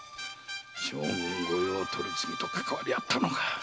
将軍御用取次とかかわりがあったのか。